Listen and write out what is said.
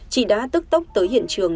chỉ đã tức tốc tới hiện trường